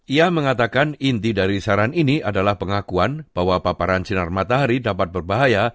ia mengatakan inti dari saran ini adalah pengakuan bahwa paparan sinar matahari dapat berbahaya